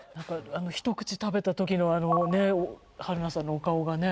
ひと口食べた時のあのねっ春菜さんのお顔がね